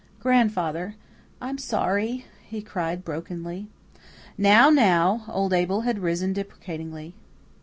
"Grandfather I'm sorry," he cried brokenly. "Now, now!" Old Abel had risen deprecatingly.